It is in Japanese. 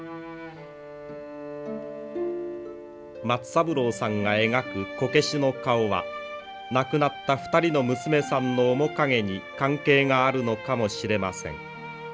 松三郎さんが描くこけしの顔は亡くなった２人の娘さんの面影に関係があるのかもしれません。